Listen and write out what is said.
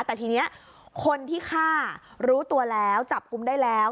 แต่ทีนี้คนที่ฆ่ารู้ตัวแล้วจับกุมได้แล้ว